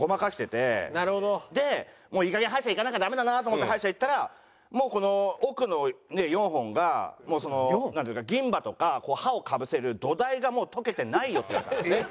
でもういいかげん歯医者行かなきゃダメだなと思って歯医者行ったらもうこの奥の４本がなんていうんですか銀歯とか歯を被せる土台がもう溶けてないよって言われたんですね。